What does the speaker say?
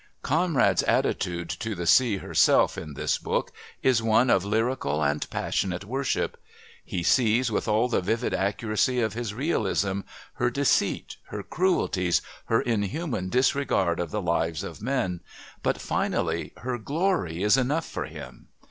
Conrad's attitude to the Sea herself, in this book, is one of lyrical and passionate worship. He sees, with all the vivid accuracy of his realism, her deceits, her cruelties, her inhuman disregard of the lives of men, but, finally, her glory is enough for him.